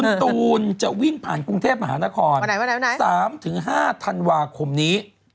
คุณตูนจะวิ่งผ่านกรุงเทพมหานคร๓๕ธันวาคมนี้